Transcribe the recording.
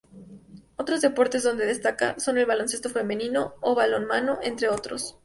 Otros deportes donde destaca son el baloncesto femenino o el balonmano, entre otros.